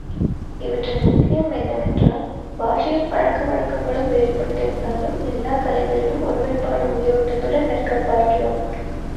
இவற்றின் முக்கியம் என்னவென்றால், பாஷையும் பழக்க வழக்கங்களும் வேறுபட்டிருந்தாலும், எல்லாக் கலைகளிலும் ஒருமைப்பாடு உயிரோட்டத்துடன் நிற்கப் பார்க்கிறோம்.